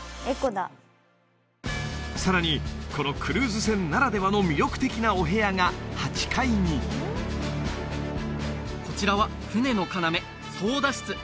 さらにこのクルーズ船ならではの魅力的なお部屋が８階にこちらは船の要操舵室